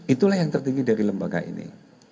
itulah yang tertinggi dari lembaga ini